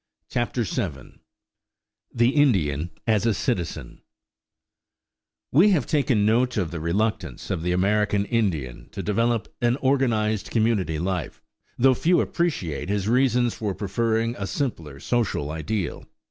CHAPTER VII THE INDIAN AS A CITIZEN We have taken note of the reluctance of the American Indian to develop an organized community life, though few appreciate his reasons for preferring a simpler social ideal.